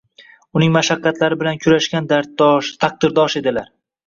uning mashaqqatlari bilan kurashgan darddosh, taqdirdosh edilar.